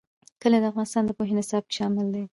کلي د افغانستان د پوهنې نصاب کې شامل دي.